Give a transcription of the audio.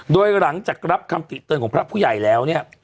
โดยหลังจากรับคำติเตือนของพระผู้ใหญ่แล้วเนี่ย